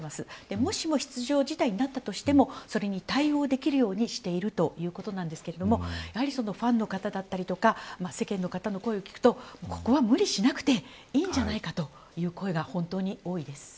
もしも出場辞退になっても対応できるようにしているということですがやはり、ファンの方や世間の方の声を聞くとここは無理をしなくていいんじゃないかとそういう声が本当に多いです。